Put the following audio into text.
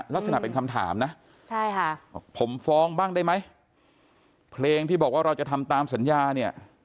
ลักษณะเป็นคำถามนะใช่ค่ะบอกผมฟ้องบ้างได้ไหมเพลงที่บอกว่าเราจะทำตามสัญญาเนี่ย